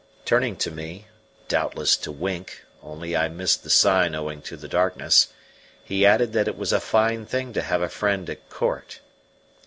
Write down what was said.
Turning to me, doubtless to wink (only I missed the sign owing to the darkness), he added that it was a fine thing to have a friend at court.